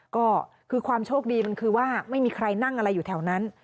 ก็คือความโชคดีมันคือว่าไม่มีใครนั่งอะไรอยู่แถวนั้น